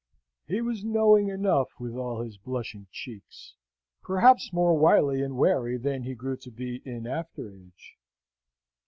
He was knowing enough with all his blushing cheeks; perhaps more wily and wary than he grew to be in after age.